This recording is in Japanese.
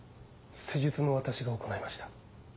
施術も私が行いました。